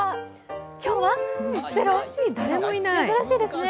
今日はゼロ、珍しいですね。